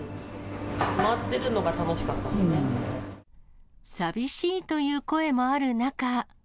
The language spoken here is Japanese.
回っているのが楽しかったよ寂しいという声もある中。